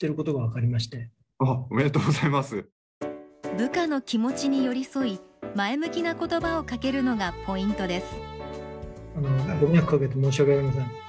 部下の気持ちに寄り添い前向きな言葉をかけるのがポイントです。